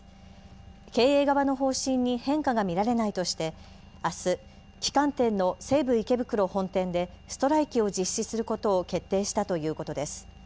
経営側の方針に変化が見られないとして、あす旗艦店の西武池袋本店でストライキを実施することを決定したということです。